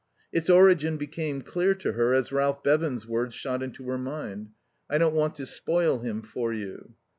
Its origin became clear to her as Ralph Bevan's words shot into her mind: "I don't want to spoil him for you."